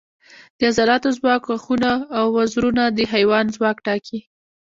د عضلاتو ځواک، غاښونه او وزرونه د حیوان ځواک ټاکي.